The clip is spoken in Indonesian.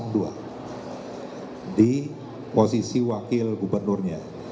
di posisi wakil gubernurnya